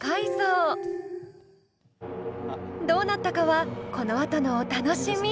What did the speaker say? どうなったかはこのあとのお楽しみ！